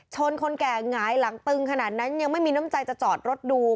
คนแก่หงายหลังตึงขนาดนั้นยังไม่มีน้ำใจจะจอดรถดู